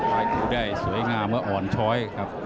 ว่ายครูได้ซวยงามเกือบอ่อนค่อย